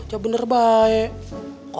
gak bener baik